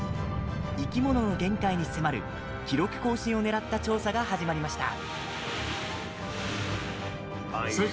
生き物の限界に迫る、記録更新をねらった調査が始まりました。